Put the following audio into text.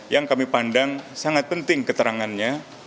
yang kami pandang sangat penting keterangannya